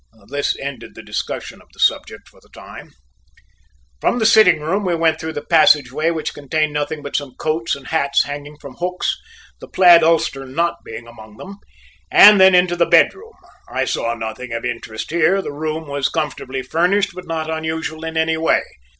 This ended the discussion of the subject for the time. From the sitting room we went through the passageway, which contained nothing but some coats and hats hanging from hooks, the plaid ulster not being among them, and then into the bedroom. I saw nothing of interest here; the room was comfortably furnished, but not unusual in any way.